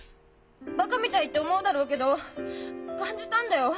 バカみたいって思うだろうけど感じたんだよ。